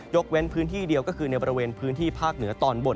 เว้นพื้นที่เดียวก็คือในบริเวณพื้นที่ภาคเหนือตอนบน